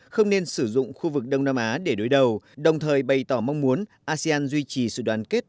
không nên sử dụng khu vực đông nam á để đối đầu đồng thời bày tỏ mong muốn asean duy trì sự đoàn kết